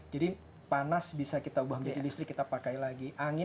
jadi panas bisa kita ubah menjadi listrik kita pakai lagi